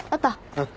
うん。